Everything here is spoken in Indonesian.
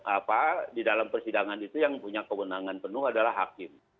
apa di dalam persidangan itu yang punya kewenangan penuh adalah hakim